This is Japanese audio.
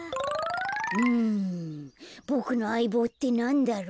うんボクのあいぼうってなんだろう？